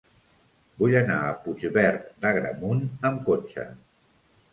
Vull anar a Puigverd d'Agramunt amb cotxe.